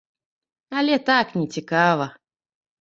Але так не цікава.